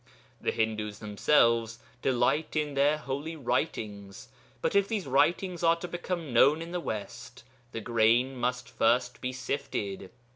The Hindus themselves delight in their holy writings, but if these writings are to become known in the West, the grain must first be sifted.